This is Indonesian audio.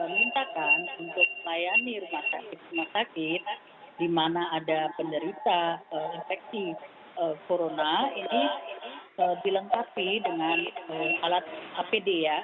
minta kan untuk pelayanan rumah sakit rumah sakit dimana ada penderita infeksi corona ini dilengkapi dengan alat apd ya